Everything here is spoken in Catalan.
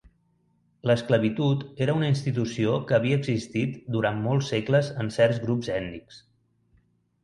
L'esclavitud era una institució que havia existit durant molts segles en certs grups ètnics.